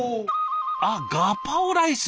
あっガパオライス。